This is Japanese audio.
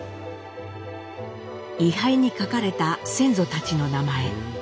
位牌に書かれた先祖たちの名前。